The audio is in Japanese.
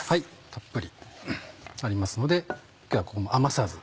たっぷりありますので今日はここも余さず。